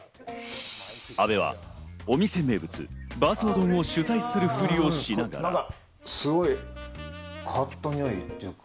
阿部は、お店名物バーソー丼を取材するふりをしながら。